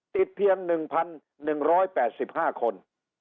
ติดเพียง๑๑๘๕คน